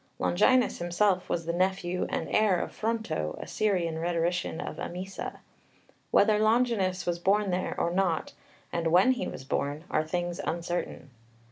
Longinus himself was the nephew and heir of Fronto, a Syrian rhetorician of Emesa. Whether Longinus was born there or not, and when he was born, are things uncertain.